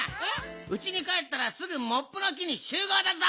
うちにかえったらすぐモップの木にしゅうごうだぞ！